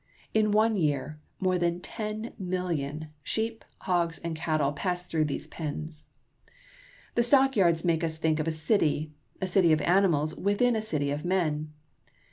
In one year more than ten million sheep, hogs, and cattle pass through these pens. The stock yards make us think of a city — a city of ani mals within a city of men.